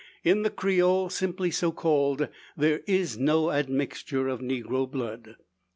In the Creole, simply so called, there is no admixture of negro blood.